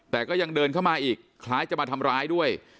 แต่ก็ยังเดินเข้ามาอีกคล้ายจะมาทำร้ายด้วย